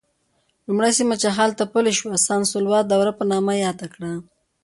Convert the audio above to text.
لومړی سیمه چې هلته پلی شو سان سولوا دور په نامه یاد کړه.